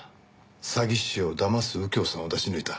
詐欺師をだます右京さんを出し抜いた。